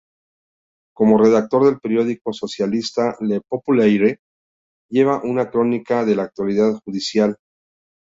Como redactor del periódico socialista Le Populaire, lleva una crónica de la actualidad judicial.